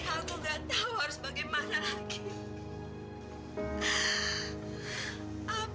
aku gak tahu harus bagaimana lagi